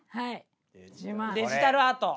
デジタルアート。